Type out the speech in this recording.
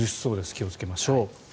気をつけましょう。